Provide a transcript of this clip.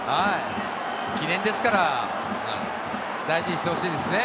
記念ですから大事にしてほしいですね。